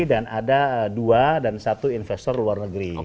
dan ada dua dan satu investor luar negeri